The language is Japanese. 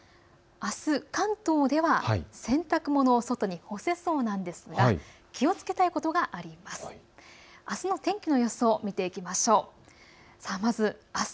あす関東では洗濯物を外に干せそうなんですが気をつけたいことがあります。